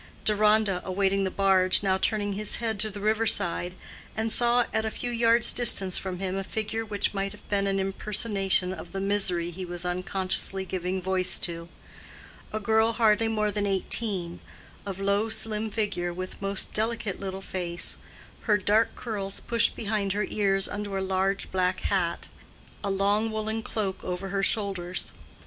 Deronda, awaiting the barge, now turning his head to the river side, and saw at a few yards' distant from him a figure which might have been an impersonation of the misery he was unconsciously giving voice to: a girl hardly more than eighteen, of low slim figure, with most delicate little face, her dark curls pushed behind her ears under a large black hat, a long woolen cloak over her shoulders.